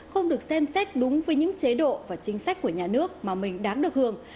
không được xem xét đúng với những chế độ và chính sách của nhà nước mà mình đáng được hưởng